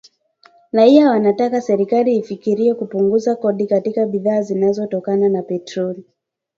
Raia wanataka serikali ifikirie kupunguza kodi katika bidhaa zinazotokana na petroli